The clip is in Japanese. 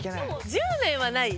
１０年はない？